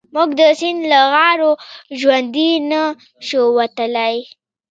موږ د سيند له غاړو ژوندي نه شو وتلای.